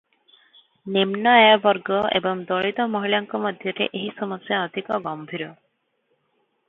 ନିମ୍ନ ଆୟବର୍ଗ ଏବଂ ଦଳିତ ମହିଳାଙ୍କ ମଧ୍ୟରେ ଏହି ସମସ୍ୟା ଅଧିକ ଗମ୍ଭୀର ।